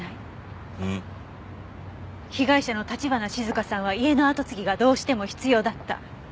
被害者の橘静香さんは家の跡継ぎがどうしても必要だった。